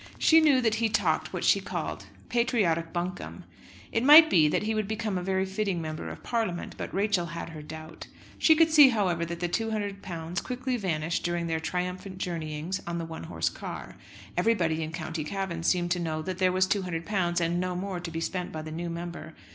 She knew that he talked what she called patriotic buncombe. It might be that he would become a very fitting Member of Parliament, but Rachel had her doubt. She could see, however, that the £200 quickly vanished during their triumphant journeyings on the one horse car. Everybody in County Cavan seemed to know that there was £200 and no more to be spent by the new member.